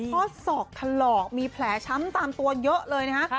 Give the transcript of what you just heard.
ข้อศอกถลอกมีแผลช้ำตามตัวเยอะเลยนะฮะ